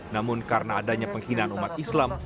namun karena adanya penghinaan umat islam